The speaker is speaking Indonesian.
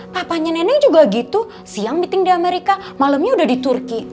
papanya nenek juga gitu siang meeting di amerika malamnya udah di turki